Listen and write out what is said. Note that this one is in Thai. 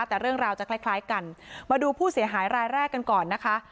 แต่เรื่องราวจะคล้ายคล้ายกันมาดูผู้เสียหายรายแรกกันก่อนนะคะ